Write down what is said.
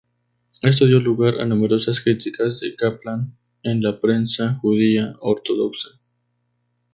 Esto dio lugar a numerosas críticas de Kaplan en la prensa judía ortodoxa.